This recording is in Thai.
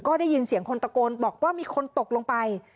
ก็ได้ยินเสียงคนตะโกนบอกว่ามีคนตกลงไป